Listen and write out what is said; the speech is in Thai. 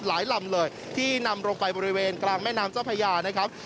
ลำเลยที่นำลงไปบริเวณกลางแม่น้ำเจ้าพญานะครับ